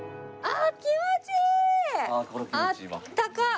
あったかい！